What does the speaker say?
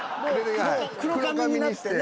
黒髪になってね。